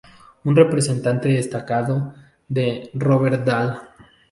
Un representante destacado es Robert Dahl.